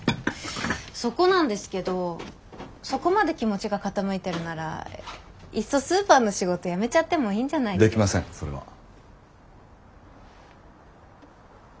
そこなんですけどそこまで気持ちが傾いてるならいっそスーパーの仕事やめちゃってもいいんじゃない。できませんそれは。